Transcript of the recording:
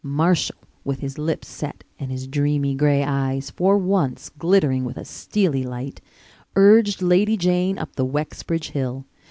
Marshall, with his lips set and his dreamy gray eyes for once glittering with a steely light, urged Lady Jane up the Wexbridge hill.